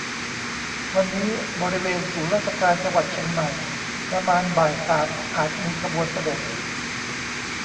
วันนี้บริเวณศูนย์ราชการจังหวัดเชียงใหม่ประมาณบ่ายสามอาจมี ขบวนเสด็จ